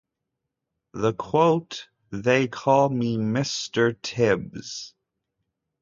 The quote "They call me "Mister Tibbs!